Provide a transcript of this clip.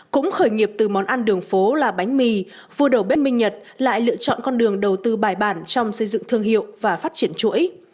cũng khởi nghiệp từ món ăn đường phố là bánh mì vua đầu bếp minh nhật lại lựa chọn con đường đầu tư bài bản trong xây dựng thương hiệu và phát triển chuỗi